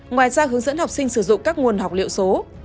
ngoài ra hướng dẫn học sinh sử dụng các nguồn học liệu số